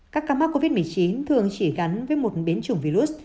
các gặp mắt covid một mươi chín thường chỉ gắn với một biến chủng virus